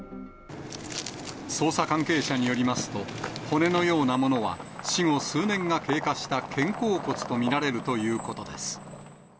捜査関係者によりますと、骨のようなものは、死後数年が経過した肩甲骨と見られるということです。